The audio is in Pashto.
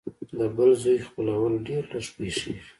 د بل زوی خپلول ډېر لږ پېښېږي